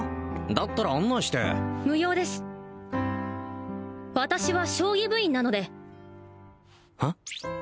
だったら案内して無用です私は将棋部員なのではっ？